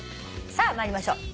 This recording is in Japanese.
さあ参りましょう。